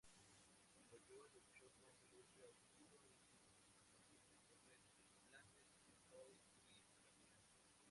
Apoyó y luchó con Felipe Augusto en sus aspiraciones sobre Flandes, Artois y Picardía.